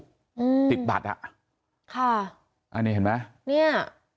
อืมติดบัตรอ่ะค่ะอ่านี่เห็นไหมเนี้ย